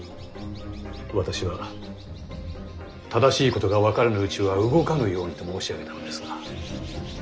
私は正しいことが分からぬうちは動かぬようにと申し上げたのですが。